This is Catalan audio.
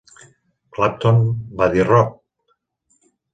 Clapton va dir Rob!